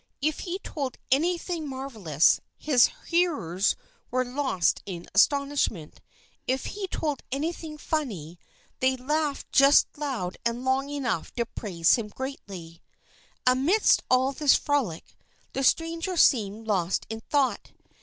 If he told anything marvelous, his hearers were lost in astonishment. If he told anything funny, they laughed just loud and long enough to please him greatly. Amidst all this frolic, the stranger seemed lost in thought.